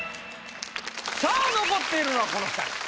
さあ残っているのはこの２人。